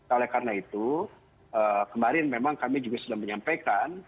oleh karena itu kemarin memang kami juga sudah menyampaikan